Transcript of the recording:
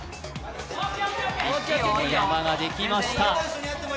１個の山ができました。